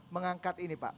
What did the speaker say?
mengangkat ini pak